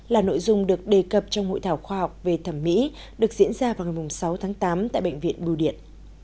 là nội dung được đề cập trong hội thảo khoa học về thẩm mỹ được diễn ra vào ngày sáu tháng tám tại bệnh viện bưu điện